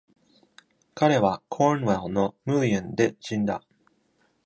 彼は、Cornwell の Mullion で死んだ。